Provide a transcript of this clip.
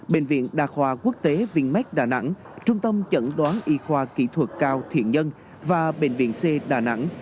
bệnh viện đà khoa quốc tế vinmec đà nẵng trung tâm chẩn đoán y khoa kỹ thuật cao thiện nhân và bệnh viện c đà nẵng